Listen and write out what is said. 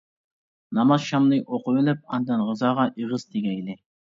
نامازشامنى ئوقۇۋېلىپ ئاندىن غىزاغا ئېغىز تېگەيلى.